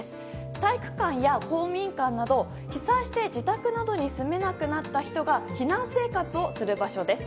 体育館や公民館など被災して自宅などに住めなくなった人が避難生活をする場所です。